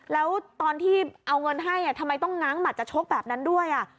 แล้วตอนที่เอาเงินให้ทำไมต้องง้างหัดจะชกแบบนั้นด้วย